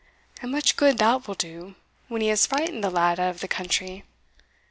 "And much good that will do, when he has frightened the lad out of the country!